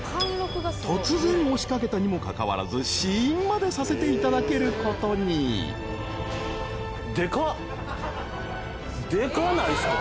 ［突然押し掛けたにもかかわらず試飲までさせていただけることに］でかないっすか？